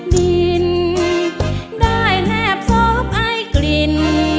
ดินได้แนบซอบไอ้กลิ่น